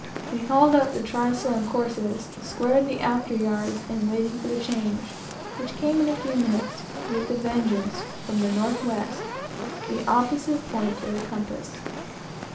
We hauled up the trysail and courses, squared the after yards, and waited for the change, which came in a few minutes, with a vengeance, from the north west, the opposite point of the compass.